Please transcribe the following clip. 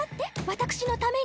私のために。